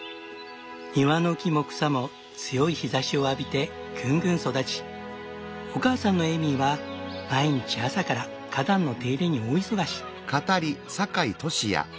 庭の木も草も強い日ざしを浴びてぐんぐん育ちお母さんのエイミーは毎日朝から花壇の手入れに大忙し。